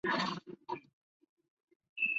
蔡锷也是在此结识小凤仙。